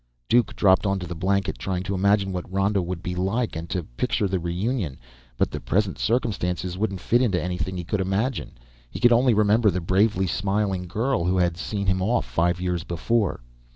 Duke dropped onto the blanket, trying to imagine what Ronda would be like, and to picture the reunion. But the present circumstances wouldn't fit into anything he could imagine. He could only remember the bravely smiling girl who had seen him off five years before.